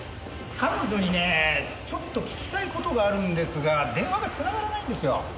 彼女にねちょっと聞きたい事があるんですが電話が繋がらないんですよ。